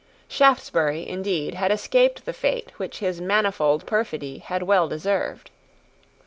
Shaftesbury, indeed, had escaped the fate which his manifold perfidy had well deserved.